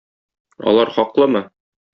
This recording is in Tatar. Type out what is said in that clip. Алар хаклымы?